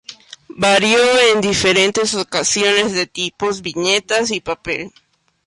Varió en diferentes ocasiones de tipos, viñetas y papel.